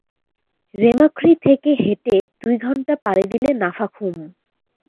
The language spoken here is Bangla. রেমাক্রি থেকে হেঁটে দুই ঘন্টা পাড়ি দিলে নাফাখুম।